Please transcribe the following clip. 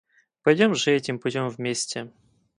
Пойдем же этим путем вместе.